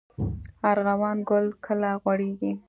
ارغوان ګل کله غوړیږي؟